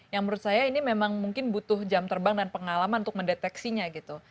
yang menurut saya ini memang mungkin butuh jam terbang dan pengalaman untuk mendeteksinya gitu